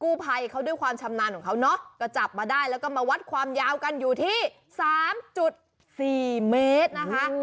ภัยเขาด้วยความชำนาญของเขาเนอะก็จับมาได้แล้วก็มาวัดความยาวกันอยู่ที่สามจุดสี่เมตรนะคะ